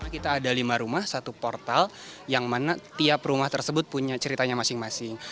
kita ada lima rumah satu portal yang mana tiap rumah tersebut punya ceritanya masing masing